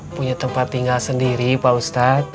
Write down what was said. punya tempat tinggal sendiri pak ustadz